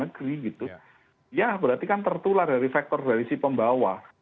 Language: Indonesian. yang dia tidak memiliki tatatan kewar negeri gitu ya berarti kan tertular dari faktor dari si pembawa